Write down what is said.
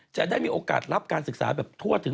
จะได้มีโอกาสรับการศึกษาแบบทั่วถึง